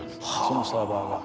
そのサーバーが。